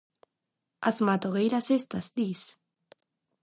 -As matogueiras estas, dis?